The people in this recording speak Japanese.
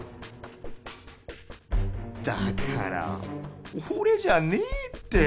だからおれじゃねえって！